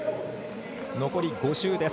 残り５周。